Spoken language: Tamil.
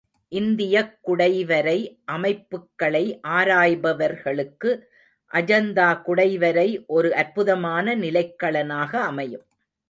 இந்தியக் குடைவரை அமைப்புக்களை ஆராய்பவர்களுக்கு அஜந்தா குடைவரை ஒரு அற்புதமான நிலைக்களனாக அமையும்.